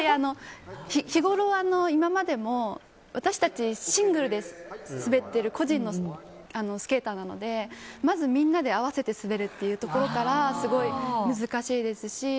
日ごろ、今までも私たち、シングルで滑っている個人のスケーターなのでまずみんなで合わせて滑るっていうところからすごい難しいですし。